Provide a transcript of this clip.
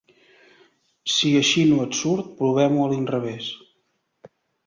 Si així no et surt, provem-ho a l'inrevés.